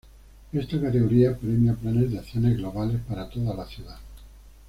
Esta categoría premia planes de acción globales para toda la ciudad.